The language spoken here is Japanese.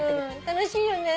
楽しいよね。